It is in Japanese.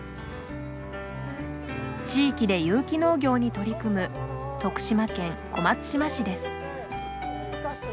地域で有機農業に取り組む徳島県小松島市です。